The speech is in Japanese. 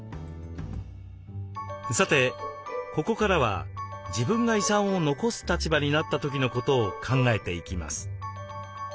さてここからは自分が遺産を残す立場になった時のことを考えていきます。